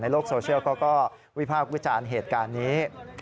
ในโลกโซเชียลก็วิภาควิจารณ์เหตุการณ์นี้